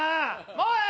もうええ